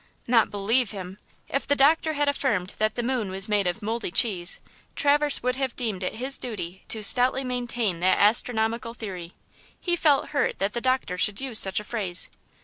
Not "believe" him! If the doctor had affirmed that the moon was made of moldy cheese, Traverse would have deemed it his duty to stoutly maintain that astronomical theory. He felt hurt that the doctor should use such a phrase.